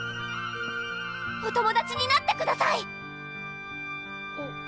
お友達になってください！